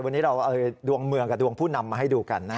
วันนี้เราเอาดวงเมืองกับดวงผู้นำมาให้ดูกันนะ